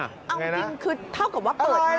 เอาจริงคือเท่ากับว่าเปิด